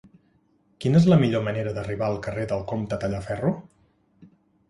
Quina és la millor manera d'arribar al carrer del Comte Tallaferro?